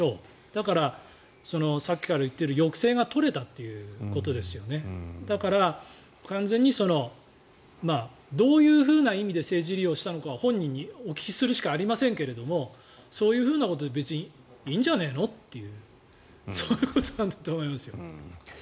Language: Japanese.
だからさっきから言っている抑制が取れたということですよねだから、完全にどういう意味で政治利用したのかは本人にお聞きするしかありませんけどそういうふうなことで別にいいんじゃねえのというそういうことなんだと思いますよ。